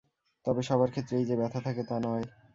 তবে সবার ক্ষেত্রেই যে ব্যথা থাকে তা নয়।